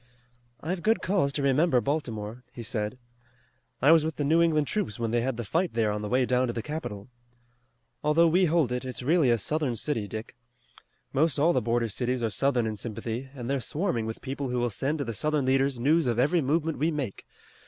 "I've good cause to remember Baltimore," he said. "I was with the New England troops when they had the fight there on the way down to the capital. Although we hold it, it's really a Southern city, Dick. Most all the border cities are Southern in sympathy, and they're swarming with people who will send to the Southern leaders news of every movement we make.